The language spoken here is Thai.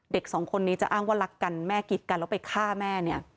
เด็กสองคนนี้จะอ้างว่ารักกันแม่กิดกันแล้วไปฆ่าแม่เนี่ย